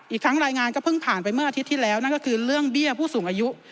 อีกทั้งรายงานก็เพิ่งผ่านไปเมื่ออาทิตย์ที่แล้วนั่นก็คือเรื่องเบี้ยผู้สูงอายุ